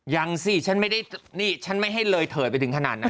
ยังสิฉันไม่ได้นี่ฉันไม่ให้เลยเถิดไปถึงขนาดนั้น